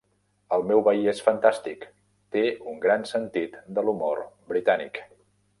El meu veí és fantàstic. Té un gran sentit de l'humor britànic.